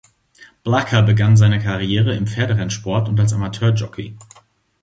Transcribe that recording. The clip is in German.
Blacker begann seine Karriere im Pferderennsport und als Amateurjockey.